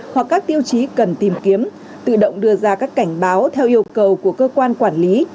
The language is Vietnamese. hoặc các tiêu chí cần tìm kiếm tự động đưa ra các cảnh báo theo yêu cầu của cơ quan quản lý